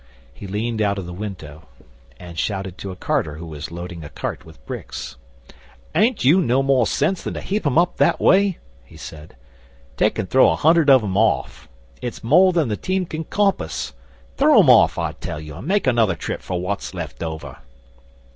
He leaned out of the window, and shouted to a carter who was loading a cart with bricks. 'Ain't you no more sense than to heap 'em up that way?' he said. 'Take an' throw a hundred of 'em off. It's more than the team can compass. Throw 'em off, I tell you, and make another trip for what's left over.